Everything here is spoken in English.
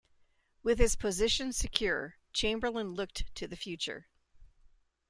With his position secure, Chamberlain looked to the future.